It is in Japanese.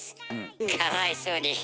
かわいそうに。